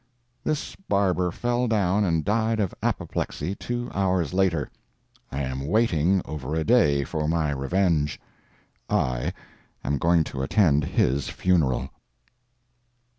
This barber fell down and died of apoplexy two hours later. I am waiting over a day for my revenge—I am going to attend his funeral.